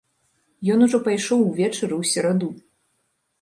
Ён ужо пайшоў увечары ў сераду.